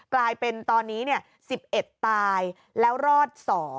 กลายเป็นตอนนี้๑๑ตายแล้วรอด๒